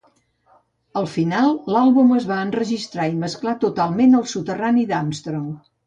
Al final, l'àlbum es va enregistrar i mesclar totalment al soterrani d'Armstrong.